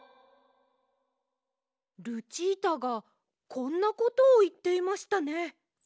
ルチータがこんなことをいっていましたね。